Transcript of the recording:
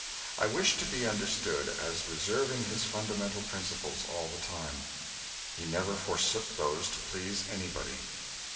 I wish to be understood as reserving his fundamental principles all the time. He never forsook those to please anybody.